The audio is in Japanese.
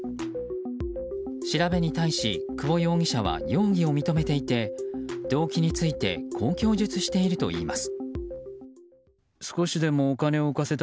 調べに対し久保容疑者は容疑を認めていて動機についてこう供述しているといいます。